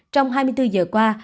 trong hai mươi bốn giờ qua